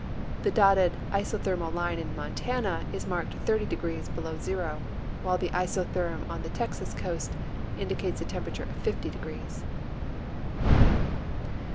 The dotted isothermal line in Montana is marked 30 degrees below zero, while the isotherm on the Texas coast indicates a temperature of 50 degrees.